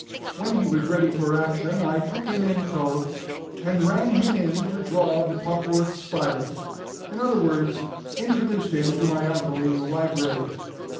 When he was ready for action, I took him in tow, and ran him in to draw the Popworth's fire in other words, introduced him to my uncle in the library.